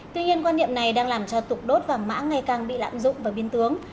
tuy nhiên quan niệm này đang làm cho tục đốt và mã ngày càng bị lạm dụng và biến tướng